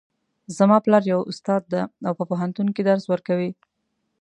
زما پلار یو استاد ده او په پوهنتون کې درس ورکوي